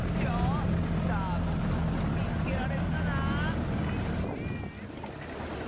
さあぼくをみつけられるかな？